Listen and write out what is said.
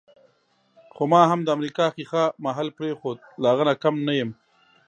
خو ما هم د امریکا ښیښه محل پرېښود، له هغه نه کم نه یم.